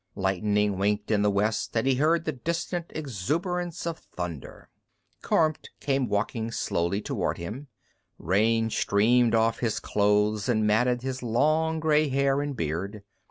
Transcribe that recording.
Lightning winked in the west, and he heard the distant exuberance of thunder. Kormt came walking slowly toward him. Rain streamed off his clothes and matted his long gray hair and beard.